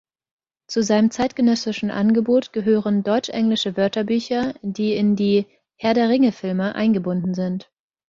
Zu seinem zeitgenössischen Angebot gehören deutsch-englische Wörterbücher, die in die „Herr der Ringe“-Filme eingebunden sind.